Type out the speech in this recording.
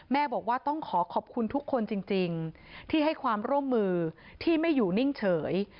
แม่บอกว่าต้องขอขอบคุณทุกคนจริงที่ให้ความร่วมมือที่ไม่อยู่นิ่งเฉย